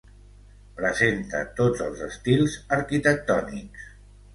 Presenta tots els estils arquitectònics.